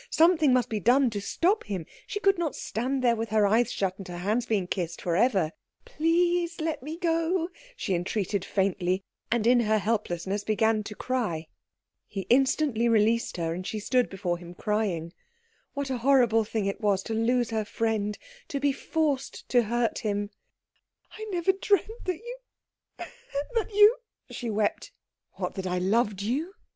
Something must be done to stop him. She could not stand there with her eyes shut and her hands being kissed for ever. "Please let me go," she entreated faintly; and in her helplessness began to cry. He instantly released her, and she stood before him crying. What a horrible thing it was to lose her friend, to be forced to hurt him. "I never dreamt that you that you " she wept. "What, that I loved you?"